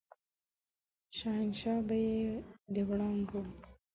شهنشاه به يې د وړانګو